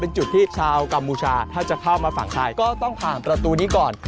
เป็นจุดที่ชาวกัมพูชาถ้าจะเข้ามาฝั่งไทยก็ต้องผ่านประตูนี้ก่อน